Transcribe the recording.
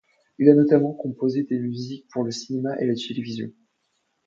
Il a notamment composé des musiques pour le cinéma et la télévision.